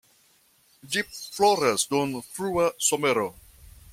Ĝi floras dum frua somero.